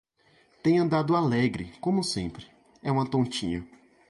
Tem andado alegre, como sempre; é uma tontinha.